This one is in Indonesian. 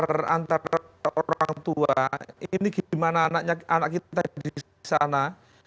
antara orang tua ini gimana anak kita di sana